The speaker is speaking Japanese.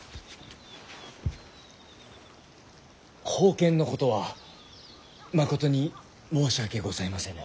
宝剣のことはまことに申し訳ございませぬ。